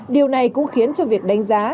điều này cũng khiến cho việc đánh giá